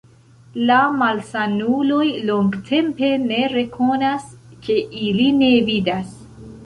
La malsanuloj longtempe ne rekonas, ke ili ne vidas.